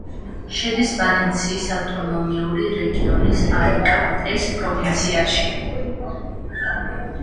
შედის ვალენსიის ავტონომიური რეგიონის ალიკანტეს პროვინციაში.